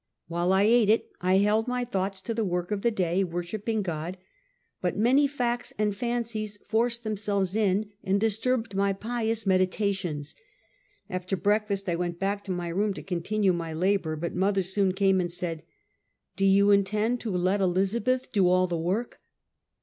While I ate it, I held my thoughts to the work of the day, worshiping God; but many facts and fancies forced themselves in and disturbed my pious meditations. After breakfast, I went back to my room to continue my labor; but mother soon came and said: "Do you intend to let Elizabeth do all the work?"